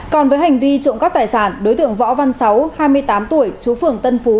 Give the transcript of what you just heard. còn với hành vi trộm cắp tài sản đối tượng võ văn sáu hai mươi tám tuổi chú phường tân phú